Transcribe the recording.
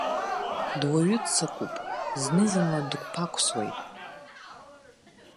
Дуаҩы ццакуп, зны-зынла дықәԥақәсуеит.